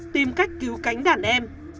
tìm cách cứu cánh đàn em